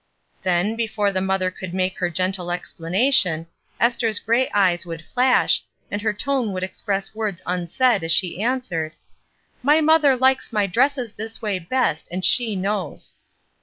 Then, before the mother could make her gentle explanation, Esther's gray eyes would flash, and her tone would express words unsaid as she answered :— "My mother Ukes my dresses this way best, and she knows."